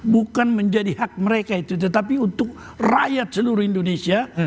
bukan menjadi hak mereka itu tetapi untuk rakyat seluruh indonesia